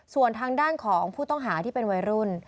ส่วนทางด้านของผู้ต้องหาที่เป็นวัยรุ่น